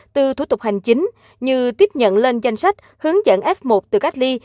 từ thủ tục hành chính như tiếp nhận lên danh sách hướng dẫn f một từ cách ly